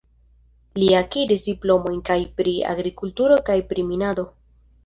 Li akiris diplomojn kaj pri agrikulturo kaj pri minado.